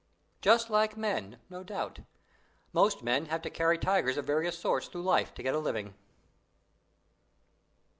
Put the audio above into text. Just like men no doubt; most men have to carry tigers of various sorts through life to get a living.